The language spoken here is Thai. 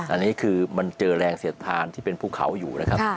อันนี้คือมันเจอแรงเสียดทานที่เป็นภูเขาอยู่นะครับ